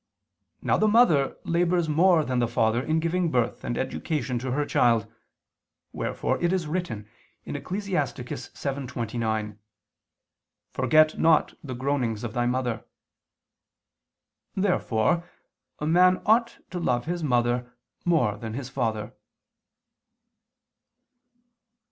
Now the mother labors more than the father in giving birth and education to her child; wherefore it is written (Ecclus. 7:29): "Forget not the groanings of thy mother." Therefore a man ought to love his mother more than his father.